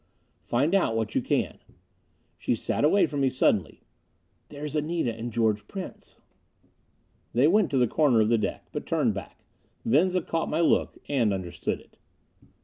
"Find out what you can." She sat away from me suddenly. "There's Anita and George Prince." They came to the corner of the deck, but turned back. Venza caught my look. And understood it.